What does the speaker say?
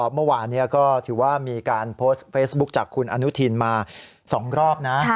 เมื่อวานนี้ก็ถือว่ามีการโพสต์เฟซบุ๊คจากคุณอนุทินมา๒รอบนะ